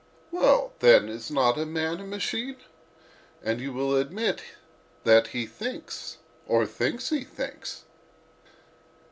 Well, then, is not a man a machine? And you will admit that he thinks—or thinks he thinks."